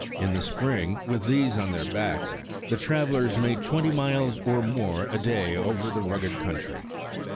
In the spring with these on their backs, the travelers made twenty miles or more a day over the rugged country.